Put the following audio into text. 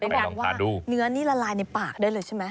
แสดงว่าเนื้อนี่ละลายในปากได้เลยใช่ไหม